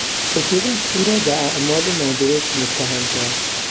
رفیقش او را به اعمال نادرست متهم کرد.